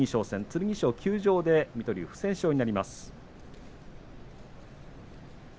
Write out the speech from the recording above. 剣翔休場で水戸龍、不戦勝になります。